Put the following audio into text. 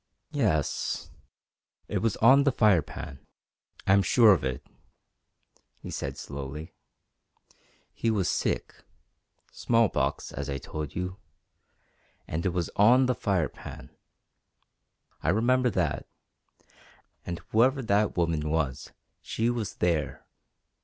"Yes it was on the Firepan. I am sure of it," he said slowly. "He was sick small pox, as I told you and it was on the Firepan. I remember that. And whoever the woman was, she was there.